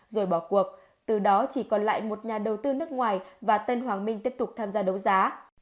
rồi bỏ cuộc từ đó chỉ còn lại một nhà đầu tư nước ngoài và tân hoàng minh tiếp tục tham gia đấu giá